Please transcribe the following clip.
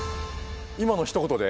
今のひと言で？